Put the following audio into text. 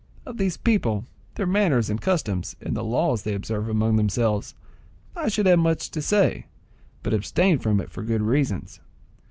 Of these people, their manners and customs, and the laws they observe among themselves, I should have much to say, but abstain from it for good reasons.